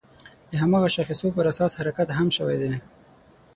د هماغه شاخصو پر اساس حرکت هم شوی دی.